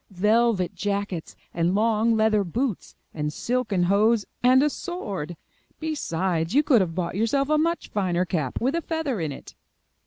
Velvet jackets and long leather boots and silken hose, and a sword. Besides, you could have bought yourself a much finer cap with a feather in it."